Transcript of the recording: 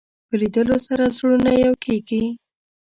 په لیدلو سره زړونه یو کېږي